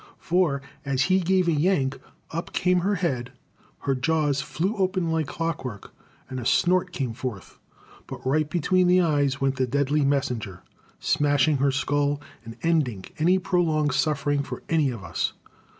for, as he gave a yank, up came her head, her jaws flew open like clockwork, and a snort came forth. But right between the eyes went the deadly messenger, smashing her skull and ending any prolonged suffering for any of us.